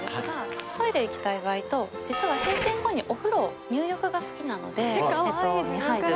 トイレ行きたい場合と実は閉店後にお風呂入浴が好きなので入る。